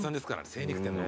精肉店の。